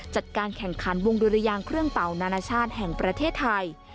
จัดการแข่งขันวงดุรยางเครื่องเป่านานาชาติแห่งประเทศไทย